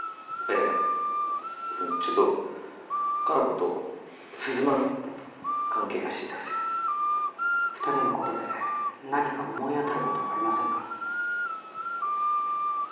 いやそのちょっと香菜子と鈴間の関係が知りたくて二人のことで何か思い当たることはありませんか？